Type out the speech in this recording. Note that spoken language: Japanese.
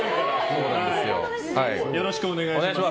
よろしくお願いします。